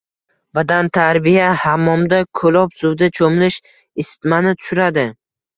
Badantarbiya, hammomda, ko‘lob suvda cho‘milish isitmani tushiradi.